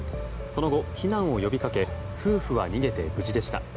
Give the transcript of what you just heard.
その後、避難を呼びかけ夫婦は逃げて無事でした。